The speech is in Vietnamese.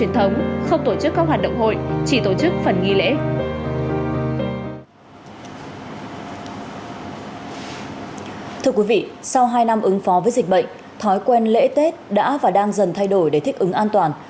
thưa quý vị sau hai năm ứng phó với dịch bệnh thói quen lễ tết đã và đang dần thay đổi để thích ứng an toàn